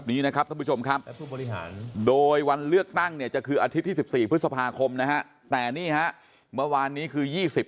มีพระราชกษิติกายุบสภานะครับ